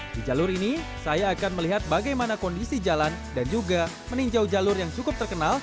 di jalur ini saya akan melihat bagaimana kondisi jalan dan juga meninjau jalur yang cukup terkenal